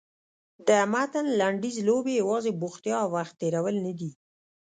د متن لنډیز لوبې یوازې بوختیا او وخت تېرول نه دي.